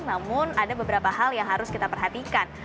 namun ada beberapa hal yang harus kita perhatikan